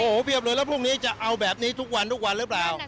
โอ้โหเพียบเลยแล้วพรุ่งนี้จะเอาแบบนี้ทุกวันทุกวันหรือเปล่า